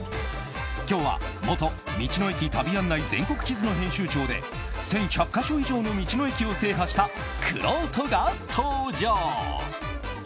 今日は元「道の駅旅案内全国地図」の編集長で１１００か所以上の道の駅を制覇したくろうとが登場。